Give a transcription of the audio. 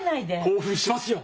興奮しますよ！